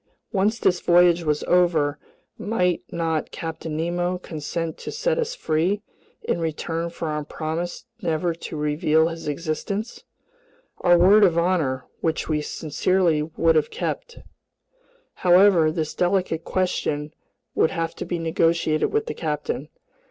Once this voyage was over, might not Captain Nemo consent to set us free in return for our promise never to reveal his existence? Our word of honor, which we sincerely would have kept. However, this delicate question would have to be negotiated with the captain.